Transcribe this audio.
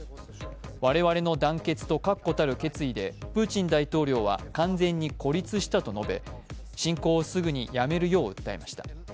我々の団結と確固たる決意でプーチン大統領は完全に孤立したと述べ、侵攻をすぐに辞めるよう訴えました。